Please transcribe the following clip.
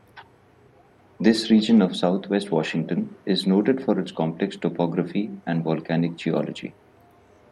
This region of Southwest Washington is noted for its complex topography and volcanic geology.